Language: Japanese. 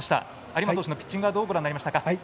有馬投手のピッチングはどうご覧になりましたか？